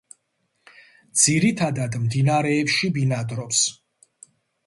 ძირითადად მდინარეებში ბინადრობს.